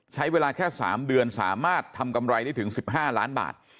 ใช้เวลาแค่๓เดือนสามารถทำกำไรได้ถึง๑๕ล้านบาท